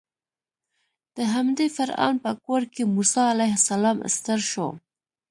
د همدې فرعون په کور کې موسی علیه السلام ستر شو.